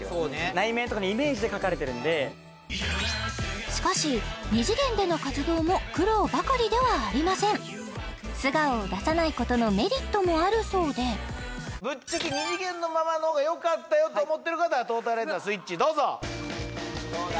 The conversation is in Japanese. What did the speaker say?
内面とかのイメージで描かれてるんでしかし２次元での活動も苦労ばかりではありません素顔を出さないことのメリットもあるそうでぶっちゃけと思ってる方はトータライザースイッチどうぞどうだ？